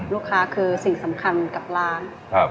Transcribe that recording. ลูกค้าคือสิ่งสำคัญกับร้าน